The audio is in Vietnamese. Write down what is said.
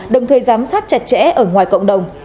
đồng thời giám sát chặt chẽ ở ngoài cộng đồng